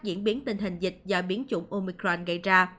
diễn biến tình hình dịch do biến chủng omicran gây ra